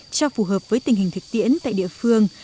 cho phù hợp với tình hình thực tiễn tại địa phương